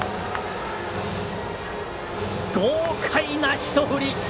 豪快なひと振り！